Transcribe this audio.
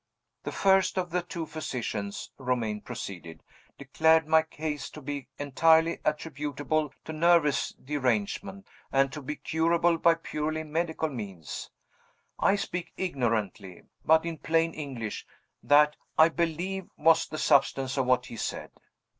"The first of the two physicians," Romayne proceeded, "declared my case to be entirely attributable to nervous derangement, and to be curable by purely medical means. I speak ignorantly; but, in plain English, that, I believe, was the substance of what he said?"